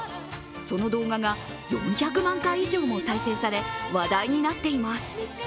その動画が４００万回以上も再生され話題になっています。